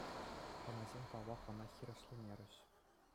Хӑнасем, паллах, ӑна хирӗҫлемерӗҫ.